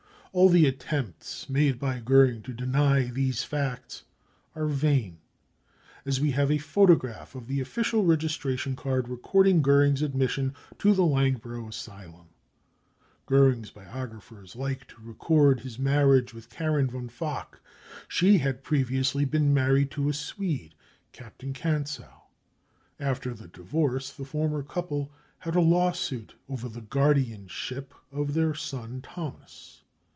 All the attempts made by Goering to deny these facts are vain, as we have a photograph of the official registration card recording Goering's admission to the Langbro asylum. «■* Goering's biographers like to record his marriage with Karin von Fock. She had previously been married to a Swede, Captain Kantzow. After the divorce the former couple had a lawsuit over the guardianship of their son Thomas.